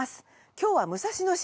今日は武蔵野市。